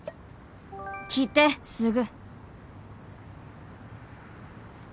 「来てすぐ」